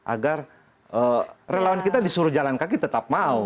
agar relawan kita disuruh jalan kaki tetap mau